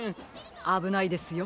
あぶないですよ。